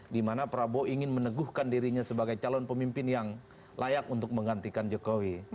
dimana prabowo ingin meneguhkan dirinya sebagai calon pemimpin yang layak untuk menggantikan jokowi